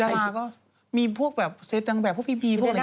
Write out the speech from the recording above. ดาราก็มีพวกแบบเซตตั้งแบบพวกพีพีพวกแบบนี้ด้วยนะ